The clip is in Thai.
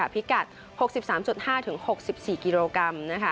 พิกัด๖๓๕๖๔กิโลกรัม